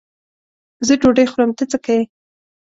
زه ډوډۍ خورم؛ ته څه که یې.